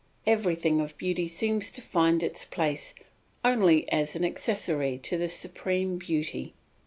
Everything of beauty seems to find its place only as an accessory to the supreme beauty.